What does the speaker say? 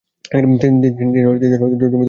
তিনি হলেন জমিদার শশাঙ্ক চৌধুরী।